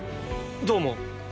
どうも。